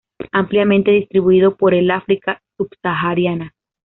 Ampliamente distribuido por el África subsahariana.